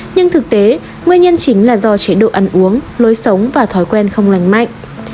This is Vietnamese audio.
nhưng thực tế nguyên nhân chính là do chế độ ăn uống lối sống và thói quen không lành mạnh